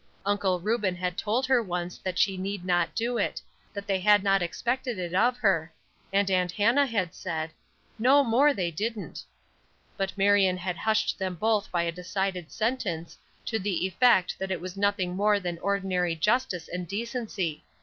Uncle Reuben had told her once that she need not do it, that they had not expected it of her; and Aunt Hannah had added, "No more they didn't." But Marion had hushed them both by a decided sentence, to the effect that it was nothing more than ordinary justice and decency.